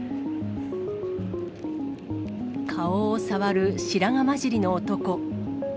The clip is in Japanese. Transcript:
顔を触る白髪交じりの男。